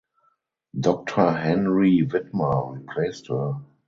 Doctor Henry Widmer replaced her.